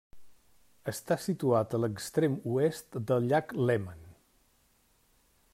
Està situat a l'extrem oest del llac Léman.